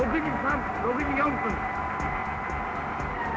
６時４分。